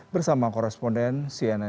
bersama korresponden cnn indonesia